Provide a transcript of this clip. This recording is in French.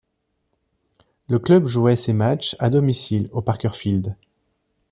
Le club jouait ses matches à domicile au Parker Field.